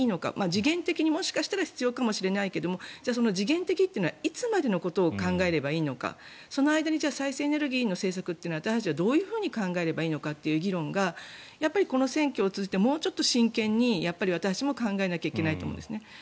時限的にもしかしたら必要かもしれないけれどじゃあ、時限的というのはいつまでのことを考えればいいのかその間に再生可能エネルギーの政策というのは私たちはどう考えればいいのかという議論がこの選挙を通じてもうちょっと真剣に私たちも考えなきゃいけないと思うんです。